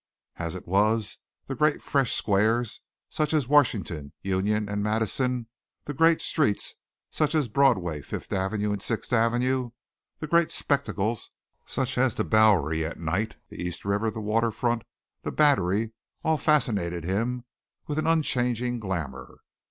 As it was the great fresh squares, such as Washington, Union and Madison; the great streets, such as Broadway, Fifth Avenue and Sixth Avenue; the great spectacles, such as the Bowery at night, the East River, the water front, the Battery, all fascinated him with an unchanging glamor.